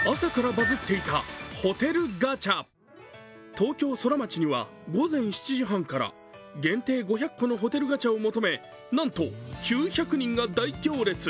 東京ソラマチには午前７時半から限定５００個のホテルガチャを求め、なんと９００人が大行列。